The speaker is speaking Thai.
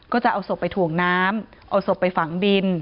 ก็จะเอาศพไปถ่วงน้ำเอาศพไปฝังดิน